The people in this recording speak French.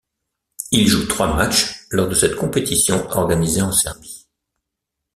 Il joue trois matchs lors de cette compétition organisée en Serbie.